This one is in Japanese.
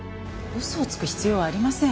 嘘をつく必要はありません。